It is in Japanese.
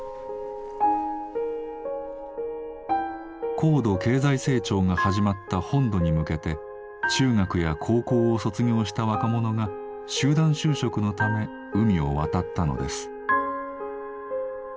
高度経済成長が始まった本土に向けて中学や高校を卒業した若者が集団就職のため海を渡ったのです。